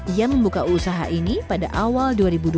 ia membuka usaha ini pada awal dua ribu dua puluh